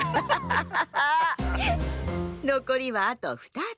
のこりはあと２つ。